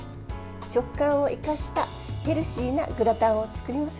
食感を生かしたヘルシーなグラタンを作りますよ。